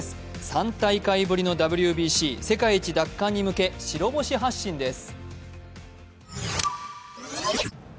３大会ぶりのＷＢＣ、世界一奪還に向け白星発進です。